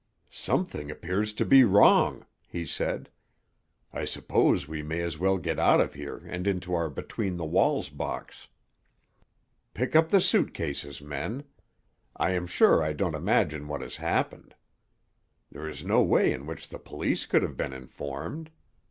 "Something appears to be wrong," he said. "I suppose we may as well get out of here and into our between the walls box. Pick up the suit cases, men. I am sure I don't imagine what has happened. There is no way in which the police could have been informed.